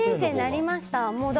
６年生になりました。